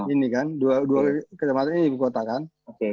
ini kan dua kecepatan ini di buku kota kan